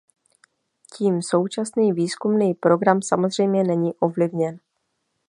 Tím současný výzkumný program samozřejmě není ovlivněn.